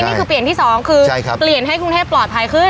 นี่คือเปลี่ยนที่๒คือเปลี่ยนให้กรุงเทพปลอดภัยขึ้น